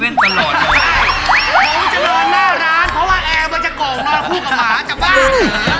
ใช่น้องจะนอนหน้าร้านเพราะว่าแอบมันจะกล่องนอนคู่กับหมาจากบ้าน